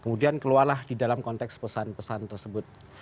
kemudian keluarlah di dalam konteks pesan pesan tersebut